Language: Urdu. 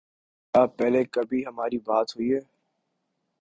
کیا پہلے کبھی ہماری بات ہوئی ہے